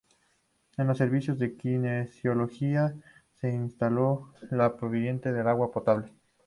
En el servicio de Kinesiología se instaló la provisión de agua potable.